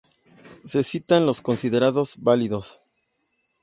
Se citan los considerados válidos.